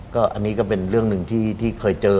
ก็อันนี้ก็เป็นเรื่องหนึ่งที่เคยเจอ